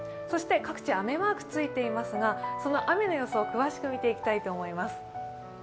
そして各地、雨マークついていますがその雨の予想、詳しく見ていきたいと思います。